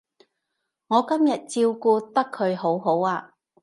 我今日照顧得佢好好啊